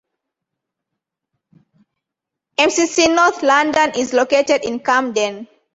Mcc North London is located in Camden.